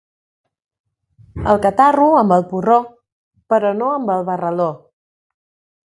El catarro amb el porró, però no amb el barraló.